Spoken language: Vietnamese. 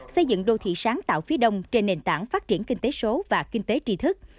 xây dựng đô thị sáng tạo phía đông trên nền tảng phát triển kinh tế số và kinh tế tri thức